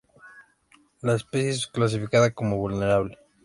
La especie es clasificada como vulnerable.